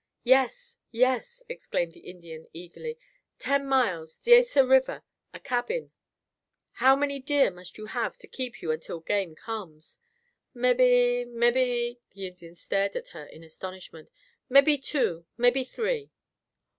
"Yes, yes!" exclaimed the Indian eagerly. "Ten miles. Diesa River, a cabin." "How many deer must you have to keep you until game comes?" "Mebby—mebby," the Indian stared at her in astonishment, "Mebby two, mebby three."